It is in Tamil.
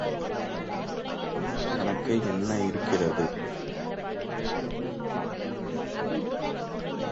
எனக்கு என்ன இருக்கிறது?